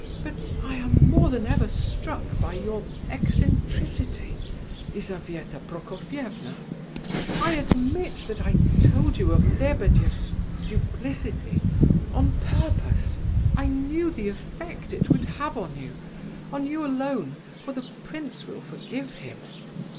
"But I am more than ever struck by your eccentricity, Lizabetha Prokofievna. I admit that I told you of Lebedeff's duplicity, on purpose. I knew the effect it would have on you,—on you alone, for the prince will forgive him.